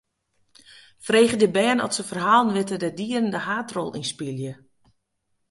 Freegje de bern oft se ferhalen witte dêr't dieren de haadrol yn spylje.